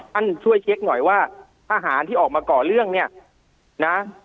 ช่วยเช็คหน่อยว่าทหารที่ออกมาก่อเรื่องเนี่ยนะ